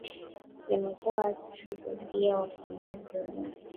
yamekuwa akishuhudia wafanyakazi wengi